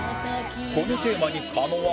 このテーマに狩野は